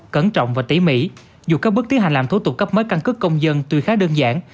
cẩn trọng và tỉ mỉ dù các bước tiến hành làm thủ tục cấp mới căn cước công dân tuy khá đơn giản